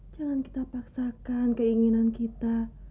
jangan kita paksakan keinginan kita